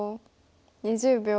２０秒。